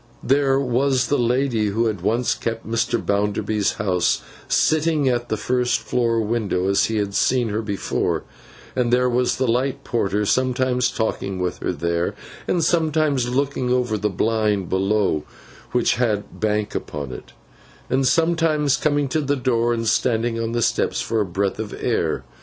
There was the lady who had once kept Mr. Bounderby's house, sitting at the first floor window as he had seen her before; and there was the light porter, sometimes talking with her there, and sometimes looking over the blind below which had BANK upon it, and sometimes coming to the door and standing on the steps for a breath of air.